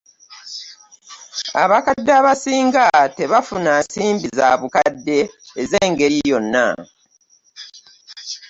Abakadde abasinga tebafuna nsimbi za bukadde ez’engeri yonna.